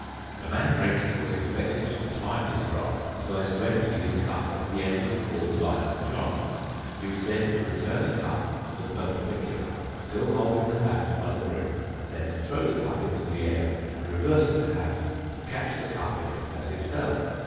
"The man drinking was expected to time his draught so as to empty his cup at the end of the fourth line of the chant; he was then to return the hat to the perpendicular, still holding the hat by the brim, then to throw the cup into the air, and reversing the hat, to catch the cup in it as it fell.